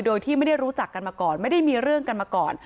โดยที่ไม่ได้รู้จักกันมาก่อนไม่ได้มีเรื่องกันมาก่อน